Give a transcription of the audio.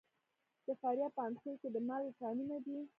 د فاریاب په اندخوی کې د مالګې کانونه دي.